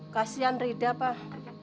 kasian rida pak